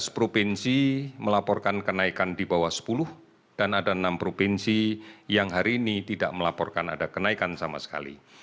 tujuh belas provinsi melaporkan kenaikan di bawah sepuluh dan ada enam provinsi yang hari ini tidak melaporkan ada kenaikan sama sekali